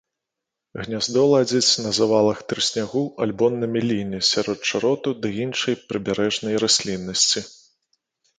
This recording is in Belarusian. Гняздо ладзіць на завалах трыснягу або на меліне сярод чароту ці іншай прыбярэжнай расліннасці.